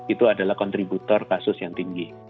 itu adalah kontributor kasus yang tinggi